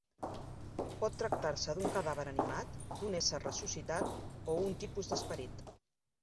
Pot tractar-se d'un cadàver animat, d'un ésser ressuscitat o un tipus d'esperit.